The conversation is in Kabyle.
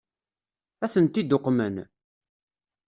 Ad tent-id-uqmen?